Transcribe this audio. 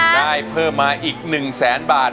ได้เพิ่มมาอีก๑แสนบาท